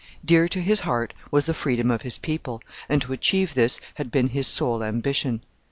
Dear to his heart was the freedom of his people, and to achieve this had been his sole ambition.